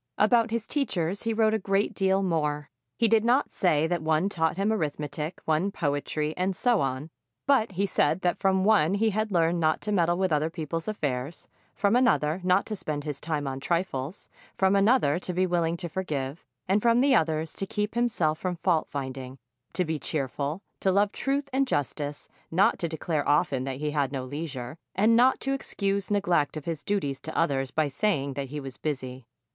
About his teachers he wrote a great deal more. He did not say that one taught him arithmetic, one poetry, and so on; but he said that from one he had learned not to meddle with other people's affairs, from another not to spend his time on trifles, from another to be willing to forgive ; and from the others to keep himself from fault finding, to be cheerful, to love truth and justice, not to declare often that he had no leisure, and not to excuse neglect of his duties to others by saying that he was busy.